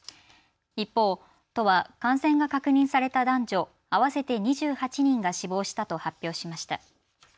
一方、都は感染が確認された男女合わせて２８人が死亡したと発表しました。